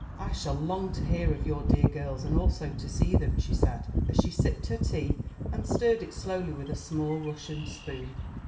"I shall long to hear of your dear girls, and also to see them," she said, as she sipped her tea and stirred it slowly with a small Russian spoon.